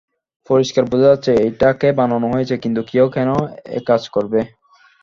পরিষ্কার বোঝা যাচ্ছে এটাকে বানানো হয়েছে কিন্তু কেউ কেন একাজ করবে?